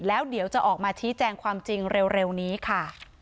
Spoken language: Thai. แล้วเดี๋ยวจะออกมาชี้แจงความจริงเร็วนี้ค่ะ